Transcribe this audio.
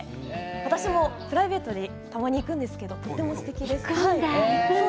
私もプライベートにたまに行くんですけどとてもすてきです。